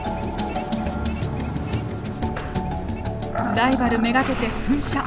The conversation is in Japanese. ライバル目がけて噴射。